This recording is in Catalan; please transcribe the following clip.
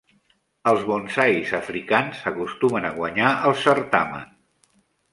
Els bonsais africans acostumen a guanyar el certamen.